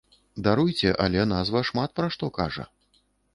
Даруйце, але назва шмат пра што кажа.